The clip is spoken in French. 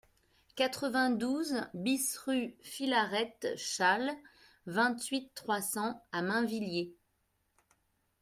quatre-vingt-douze BIS rue Philarète Chasles, vingt-huit, trois cents à Mainvilliers